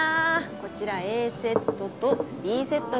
こちらＡセットとＢセットになります。